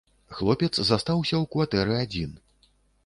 Хлопец застаўся ў кватэры адзін.